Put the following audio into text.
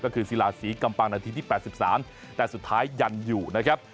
ก็คือศิลาศรีกำปังนาทีที่๘๓แต่สุดท้ายยันอยู่นะครับ